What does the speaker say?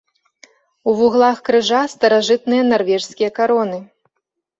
У вуглах крыжа старажытныя нарвежскія кароны.